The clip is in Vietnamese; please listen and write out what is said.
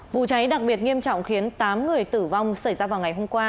vụ cháy đặc biệt nghiêm trọng khiến tám người tử vong xảy ra vào ngày hôm qua